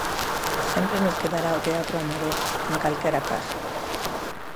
Sempre nos quedará o teatro amador, en calquera caso.